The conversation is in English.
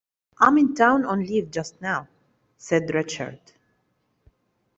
"I am in town on leave just now," said Richard.